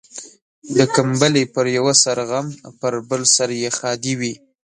د کمبلي پر يوه سر غم ، پر بل سر يې ښادي وي.